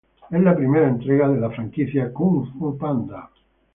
Es la primera entrega de la Franquicia Kung Fu Panda.